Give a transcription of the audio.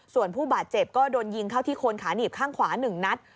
ส่วนผู้บาดเจ็บก็โดนยิงเข้าที่โคนขาหนีบข้างขวา๑นัด